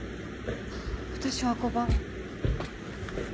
私は５番。